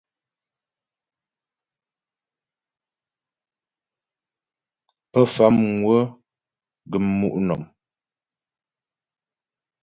Pə Famŋwə gəm mu' nɔ̀m.